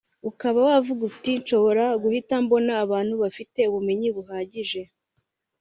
ukaba wavuga uti nshobora guhita mbona abantu bafite ubumenyi buhagije